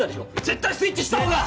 絶対スイッチしたほうが！